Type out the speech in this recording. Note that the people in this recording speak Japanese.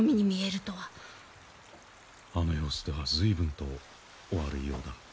あの様子では随分とお悪いようだ。